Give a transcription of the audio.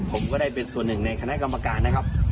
ผมก็ได้เป็นส่วนหนึ่งในคณะกรรมการนะครับ